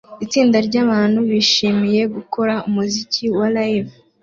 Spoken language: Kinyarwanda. Itsinda ryabantu bishimiye gukora umuziki wa Live